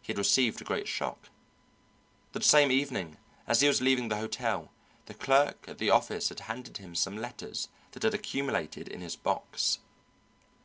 He had received a great shock. That same evening, as he was leaving the hotel, the clerk at the office had handed him some letters that had accumulated in his box.